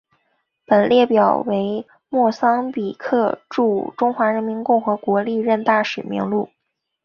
本列表为莫桑比克驻中华人民共和国历任大使名录。